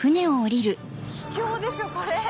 秘境でしょこれ。